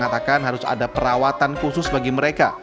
mereka harus mengatakan harus ada perawatan khusus bagi mereka